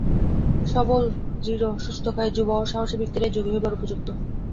সবল, দৃঢ়, সুস্থকায়, যুবা ও সাহসী ব্যক্তিরাই যোগী হইবার উপযুক্ত।